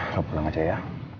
lo pulang aja ya